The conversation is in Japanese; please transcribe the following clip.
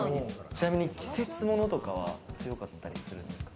ちなみに季節物とかは強かったりするんですか？